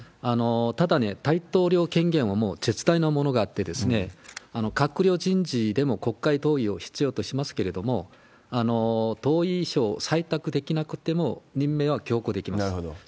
ただね、大統領権限はもう絶大なものがあって、閣僚人事でも国会同意を必要としますけど、同意書採択できなくても、任命は強行できます。